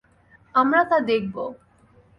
আমরা তা দেখব।